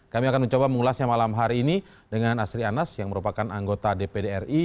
kami akan mencoba mengulasnya malam hari ini dengan asri anas yang merupakan anggota dpd ri